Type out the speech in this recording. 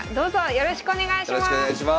よろしくお願いします。